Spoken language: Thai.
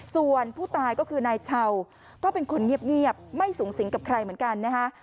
ส่วนผู้ตายก็คือนายเช่าก็เป็นคนเงียบไม่สูงสิงกับใครเหมือนกันนะคะ